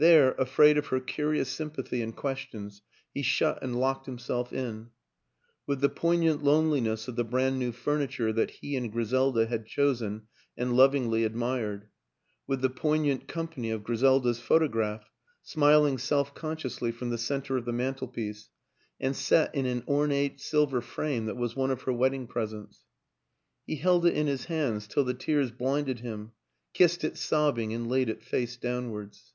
There, afraid of her curious sympathy and questions, he shut and locked himself in; with the poignant loneliness of the brand new furniture that he and Griselda had chosen and lovingly ad mired; with the poignant company of Griselda's photograph, smiling self consciously from the center of the mantelpiece and set in an ornate silver frame that was one of her wedding pres ents. He held it in his hands till the tears blinded him, kissed it sobbing and laid it face downwards.